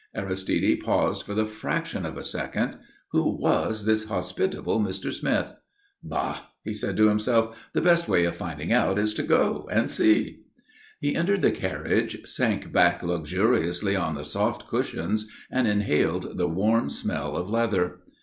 Aristide paused for the fraction of a second. Who was this hospitable Mr. Smith? "Bah!" said he to himself, "the best way of finding out is to go and see." He entered the carriage, sank back luxuriously on the soft cushions, and inhaled the warm smell of leather.